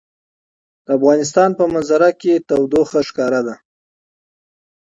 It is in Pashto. د افغانستان په منظره کې تودوخه ښکاره ده.